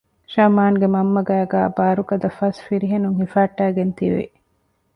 ޝަމްއާންގެ މަންމަގެ ގައިގައި ބާރުގަދަ ފަސް ފިރިހެނުން ހިފަހައްޓައިގެން ތިވި